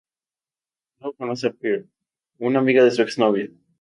Luego conoce a Pearl, una amiga de su ex-novia.